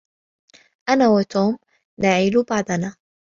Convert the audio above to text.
أنا وتوم نعيل بعضنا.